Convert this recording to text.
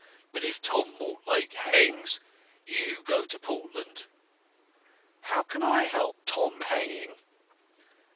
"But if Tom Mortlake hangs, you go to Portland." "How can I help Tom hanging?"